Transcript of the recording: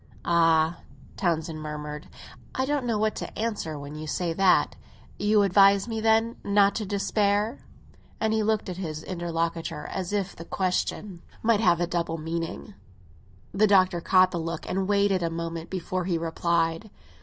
"Ah," Townsend murmured, "I don't know what to answer when you say that! You advise me, then, not to despair?" And he looked at his interlocutor as if the question might have a double meaning. The Doctor caught the look and weighed it a moment before he replied.